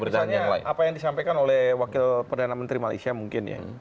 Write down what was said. jadi saya lihat misalnya apa yang disampaikan oleh wakil perdana menteri malaysia mungkin ya